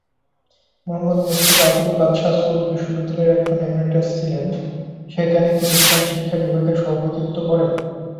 মুহাম্মদ মুস্তফা আজমি বাদশাহ সৌদ বিশ্ববিদ্যালয়ের অধ্যাপক এমেরিটাস ছিলেন, যেখানে তিনি ইসলামি শিক্ষা বিভাগের সভাপতিত্ব করেন।